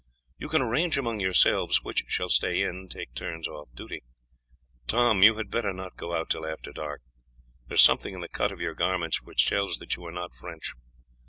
You can arrange among yourselves which shall stay in, taking turns off duty. Tom, you had better not go out till after dark. There is something in the cut of your garments which tells that you are not French.